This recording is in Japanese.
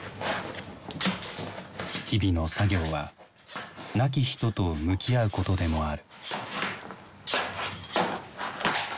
日々の作業は亡き人と向き合うことでもある。